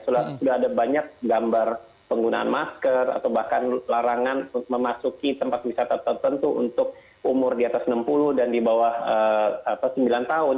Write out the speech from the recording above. sudah ada banyak gambar penggunaan masker atau bahkan larangan memasuki tempat wisata tertentu untuk umur di atas enam puluh dan di bawah sembilan tahun